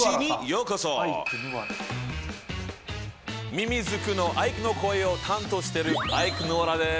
ミミズクのアイクの声を担当してるアイクぬわらです。